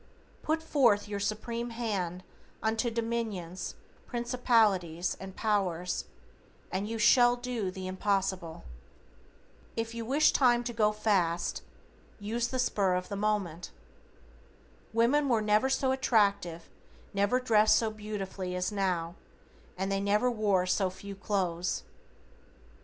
Put forth your Supreme hand unto Dominions, Principalities and Powers, and YOU SHALL DO THE IMPOSSIBLE. If you wish time to go fast, use the spur of the moment. Women were never so attractive, never dressed so beautifully as now, and they never wore so few clothes.